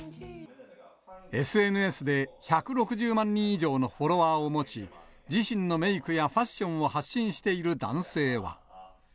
ＳＮＳで１６０万人以上のフォロワーを持ち、自身のメークやファッションを発信している男性は。